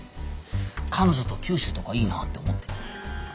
彼女と九州とかいいなって思って。